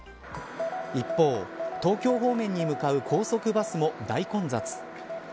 一方、東京方面に向かう高速バスも大混雑。